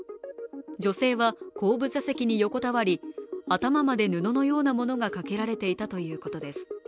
女性は後部座席に横たわり頭まで布のようなものがかけられていたということです。